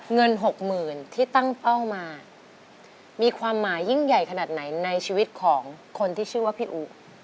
หกหมื่นที่ตั้งเป้ามามีความหมายยิ่งใหญ่ขนาดไหนในชีวิตของคนที่ชื่อว่าพี่อุ